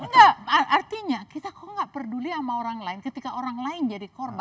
enggak artinya kita kok nggak peduli sama orang lain ketika orang lain jadi korban